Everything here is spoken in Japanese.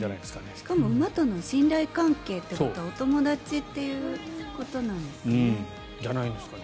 しかも馬との信頼関係ということはお友達ということなんですかね。